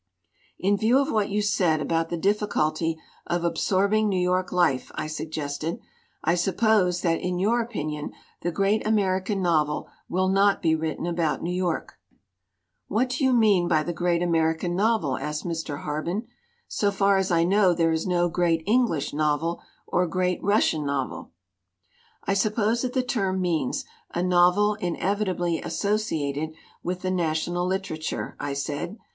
"In view of what you said about the difficulty of absorbing New York life," I suggested, "I sup pose that, in your opinion, the great American novel will not be written about New York." 194 THE NOVEL MUST GO "What do you mean by the great American novel?" asked Mr. Harben. "So far as I know there is no great English novel or great Russian novel." "I suppose that the term means a novel in evitably associated with the national literature," I said.